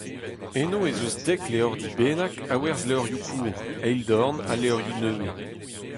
Eno ez eus dek levrdi bennak a werzh levrioù kozh, eildorn ha levrioù nevez.